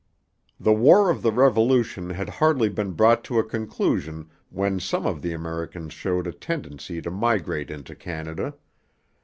The War of the Revolution had hardly been brought to a conclusion when some of the Americans showed a tendency to migrate into Canada.